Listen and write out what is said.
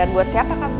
dan buat siapa kamu